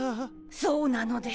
そうなのです。